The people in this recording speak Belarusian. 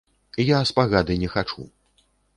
Я спагады не хачу.